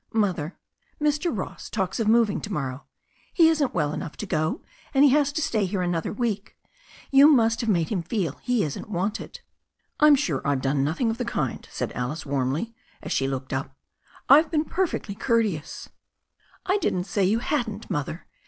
"Mother, Mr. Ross talks of moving to morrow. He isn't well enough to go, and he was to stay here another weet You must have made him feel he isn't wanted." "I'm sure I've done nothing of the kind," said Alice warmly, as she looked up. "I've been perfectly cour teous ^" "I didn't say you hadn't, Mother.